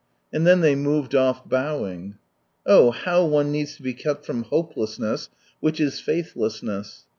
And then they moved off, bowing. Oh, how one needs to be kept from hopelessness, which is faithlessness.